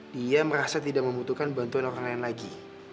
dia merasa tidak membutuhkan bantuan orang lain lagi